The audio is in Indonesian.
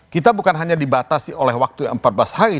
kita bukan hanya dibatasi oleh waktu empat belas hari